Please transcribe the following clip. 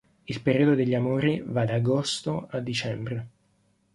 Il periodo degli amori va da agosto a dicembre.